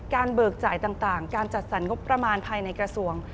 เบิกจ่ายต่างการจัดสรรงบประมาณภายในกระทรวง